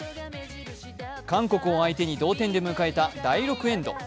韓国を相手に同点で迎えた第６エンド。